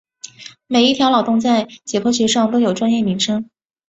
每一条脑沟在解剖学上都有专有名称。